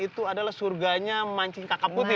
itu adalah surganya mancing kakap putih